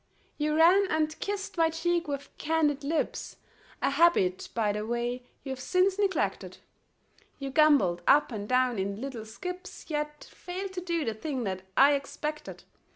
You ran and kissed my cheek with candied lips, A habit, by the way, you've since neglected ; You gambolled up and down in little skips, Yet failed to do the thing that I expected.